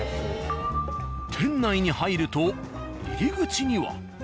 店内に入ると入り口には。